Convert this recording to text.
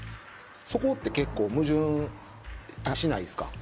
そこって結構矛盾しないですか？